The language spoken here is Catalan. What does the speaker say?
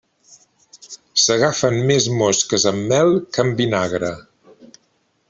S'agafen més mosques amb mel que amb vinagre.